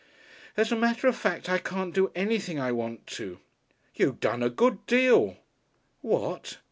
"As a matter of fact I can't do anything I want to." "You done a good deal." "What?"